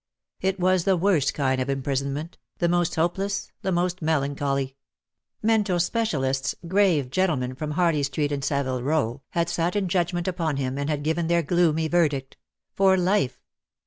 It was the worst kind of imprisonment, the most hopeless, the most melancholy. Mental specialists, grave gentlemen from Harley Street and SavUe Row, had sat in judgment upon him, and had given their gloomy verdict. For life!